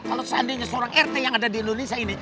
kalau seandainya seorang rt yang ada di indonesia ini